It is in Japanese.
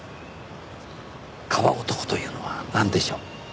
川男というのはなんでしょう？